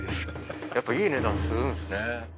やっぱいい値段するんすね。